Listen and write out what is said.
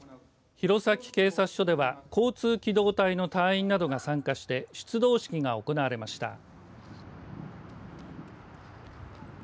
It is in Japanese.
弘前警察署では交通機動隊の隊員などが参加して出動式が行われました。